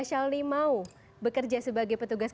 semakin sulit ya